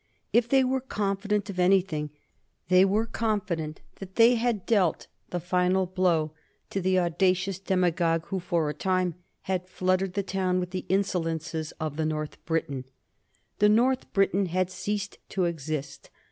If they were confident of anything, they were confident that they had dealt the final blow to the audacious demagogue who for a time had fluttered the town with the insolences of the North Briton. The North Briton had ceased to exist.